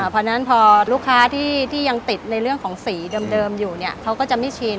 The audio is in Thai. เพราะฉะนั้นพอลูกค้าที่ยังติดในเรื่องของสีเดิมอยู่เนี่ยเขาก็จะไม่ชิน